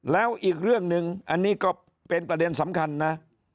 แล้วอีกเรื่องหนึ่งอันนี้ก็เป็นประเด็นสำคัญนะ